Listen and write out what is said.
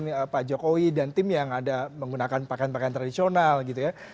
tidak ada seperti mungkin pak jokowi dan tim yang ada menggunakan pakaian pakaian tradisional gitu ya